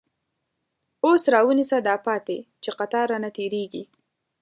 اوس را ونیسه دا پاتی، چه قطار رانه تیریږی